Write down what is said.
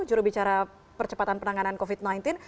jurubicara percepatan penanganan covid sembilan belas